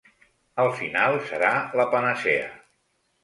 Al final, serà la panacea.